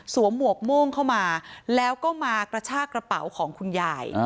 หมวกโม่งเข้ามาแล้วก็มากระชากระเป๋าของคุณยาย